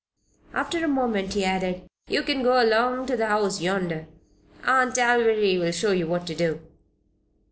After a moment, he added: "You can go along to the house yonder. Aunt Alviry will show you what to do."